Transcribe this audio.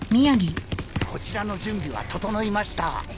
こちらの準備は整いました。